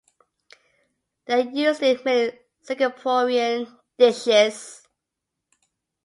They are used in many Singaporean dishes.